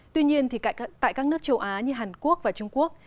tuy nhiên tại các nước châu á như hàn quốc và trung quốc